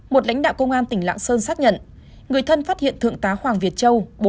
một lãnh đạo công an tỉnh lạng sơn xác nhận người thân phát hiện thượng tá hoàng việt châu